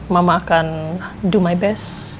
mama akan do my best